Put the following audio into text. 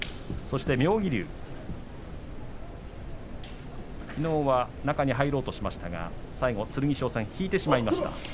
妙義龍、きのうは中に入ろうとしましたが最後は剣翔戦引いてしまいました。